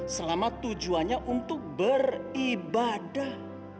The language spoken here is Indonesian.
selama tujuannya untuk beribadah